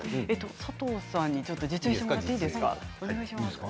佐藤さん、実演してもらっていいですか。